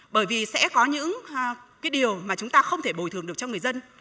bởi vì sẽ có những cái điều mà chúng ta không thể bồi thường được cho người dân